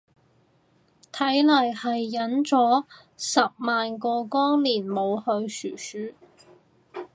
睇嚟係忍咗十萬個光年冇去殊殊